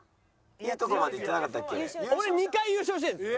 俺２回優勝してるんです。